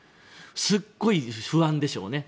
すごい不安でしょうね。